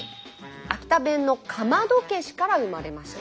秋田弁の「かまどけし」から生まれました。